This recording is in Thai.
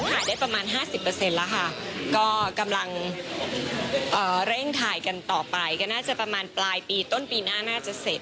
หายได้ประมาณ๕๐แล้วค่ะก็กำลังเร่งถ่ายกันต่อไปก็น่าจะประมาณปลายปีต้นปีหน้าน่าจะเสร็จ